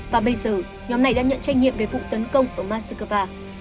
và bây giờ nhóm này đã nhận tranh nghiệm về vụ tấn công ở moskva